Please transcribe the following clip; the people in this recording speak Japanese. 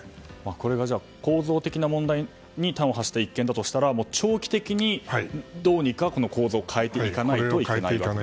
これが構造的な問題に端を発した一件だとしたら長期的にどうにか構造を変えていかないといけないと。